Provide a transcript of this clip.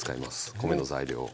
米の材料を。